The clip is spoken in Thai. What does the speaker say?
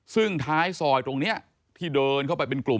ซึ่งท้ายซอยตรงนี้ที่เดินเข้าไปเป็นกลุ่ม